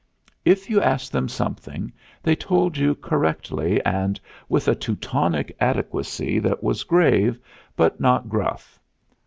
If you asked them something they told you correctly and with a Teutonic adequacy that was grave, but not gruff.